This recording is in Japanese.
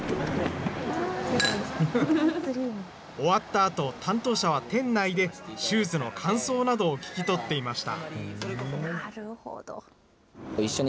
終わったあと、担当者は店内でシューズの感想などを聞き取っていました。